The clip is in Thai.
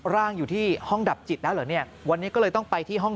ร่างอยู่ที่ห้องดับจิตแล้วเหรอเนี่ยวันนี้ก็เลยต้องไปที่ห้อง